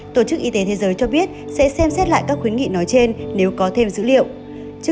tổ chức y tế thế giới cho biết sẽ xem xét lại các khuyến nghị nói trên nếu có thêm dữ liệu